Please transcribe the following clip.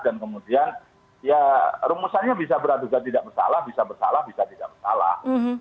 dan kemudian ya rumusannya bisa berat juga tidak bersalah bisa bersalah bisa tidak bersalah